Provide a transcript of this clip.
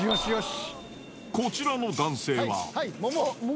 こちらの男性は。